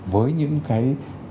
với những cái